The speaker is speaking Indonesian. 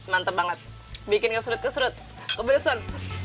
mantap banget bikin kesrut kesrut